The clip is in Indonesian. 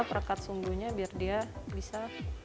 perekat sumbunya biar dia bisa